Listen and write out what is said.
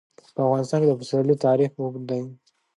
په افغانستان کې د پسرلی تاریخ اوږد دی.